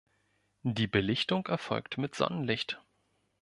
Die Belichtung erfolgt mit Sonnenlicht.